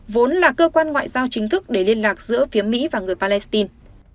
vốn là cơ quan ngoại giao chính thức để liên lạc giữa phía mỹ và người palestine